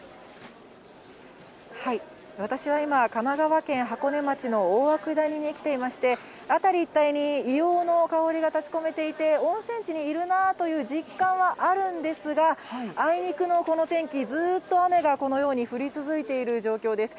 私は今、神奈川県箱根町の大涌谷に来ていまして、辺り一帯に硫黄の香りが立ちこめていて、温泉地にいるなあという実感はあるんですが、あいにくのこの天気、ずっと雨がこのように降り続いている状況です。